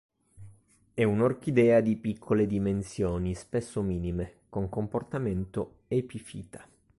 È un'orchidea di piccole dimensioni, spesso minime, con comportamento epifita.